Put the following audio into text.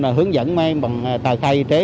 là hướng dẫn bằng tài khai y tế